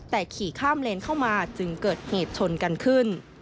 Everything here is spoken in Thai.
แต่ขี่ข้ามเลนเข้ามาจึงเกิดเหตุชนกันขึ้น